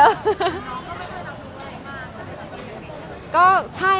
น้องก็ไม่ใช่น้องลูกอะไรมากจะเป็นน้องเด็กอย่างเด็กได้ไหม